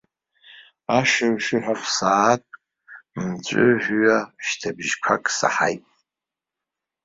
Ашыҩ-шыҩҳәа ԥсаатә мҵәыжәҩа шьҭыбжьқәак саҳаит.